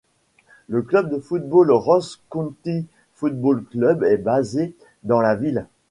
Le club de football Ross County Football Club est basé dans la ville.